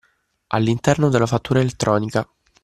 All’interno della fattura elettronica.